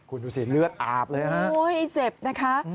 เห็นเลือดอาบเลยค่ะโอ๊ยเซ็บนะคะ